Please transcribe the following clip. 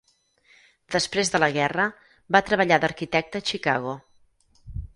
Després de la guerra, va treballar d'arquitecte a Chicago.